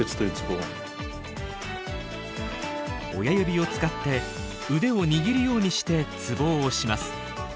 親指を使って腕を握るようにしてツボを押します。